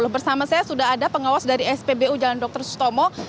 bersama saya sudah ada pengawas dari spbu jalan dr sutomo